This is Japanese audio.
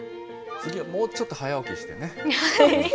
次はもうちょっと早起きしてね。